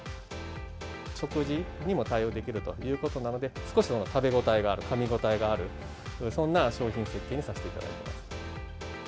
食事にも対応できるということなので、少し食べ応えがある、かみ応えがある、そんな商品設計にさせていただいています。